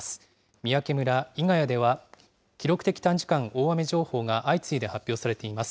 三宅村伊ヶ谷では、記録的短時間大雨情報が相次いで発表されています。